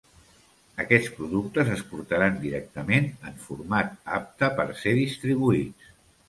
Aquests productes es portaran directament en format apte per ser distribuïts.